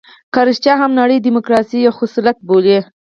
که رښتيا هم نړۍ ډيموکراسي یو خصلت بولي.